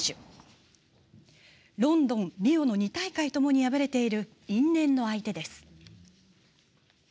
ロンドン、リオの２大会ともに敗れている因縁の相手です。